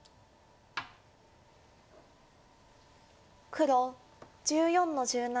黒１４の十七。